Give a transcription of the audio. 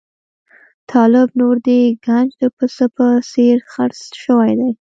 طالب نور د ګنج د پسه په څېر خرڅ شوی دی.